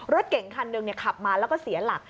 รถเก่งคันหนึ่งขับมาแล้วก็เสียหลัก